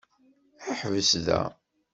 Ḥbes da.